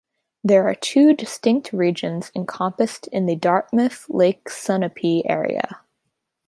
There are two distinct regions encompassed in the Dartmouth-Lake Sunapee area.